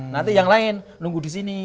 nanti yang lain nunggu di sini